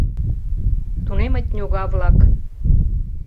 Тунемыт ньога-влак.